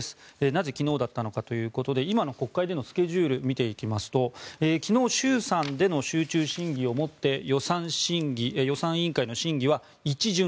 なぜ昨日だったのかということで今の国会でのスケジュールを見ていきますと昨日、衆参での集中審議をもって予算委員会の審議は一巡。